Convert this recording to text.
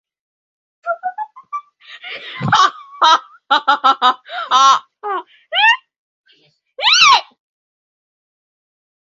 En España se encuentra en Murcia, Alicante, Barcelona, Gerona, Islas Baleares, Tarragona y Valencia.